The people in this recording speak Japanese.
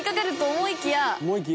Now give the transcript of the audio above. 「思いきや？」